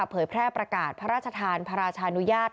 เผยแพร่ประกาศพระราชทานพระราชานุญาต